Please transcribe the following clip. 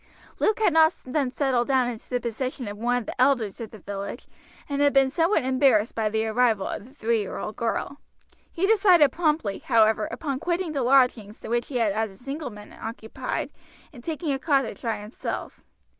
Luke had not then settled down into the position of one of the elders of the village, and he had been somewhat embarrassed by the arrival of the three year old girl. He decided promptly, however, upon quitting the lodgings which he had as a single man occupied and taking a cottage by himself.